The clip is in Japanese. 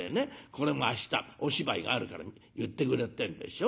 これも明日お芝居があるから結ってくれってえんでしょ。